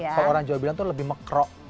kalau orang jawa bilang itu lebih mekro